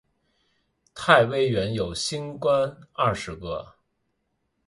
太微垣有星官二十个。